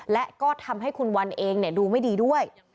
และก็ทำให้คุณวันเองดูไม่ดีด้วย